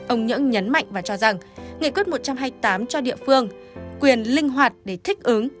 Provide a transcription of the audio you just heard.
ông nhưỡng nhấn mạnh và cho rằng nghị quyết một trăm hai mươi tám cho địa phương quyền linh hoạt để thích ứng